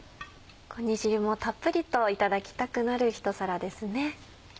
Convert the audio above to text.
煮汁もたっぷりといただきたくなるひと皿ですね。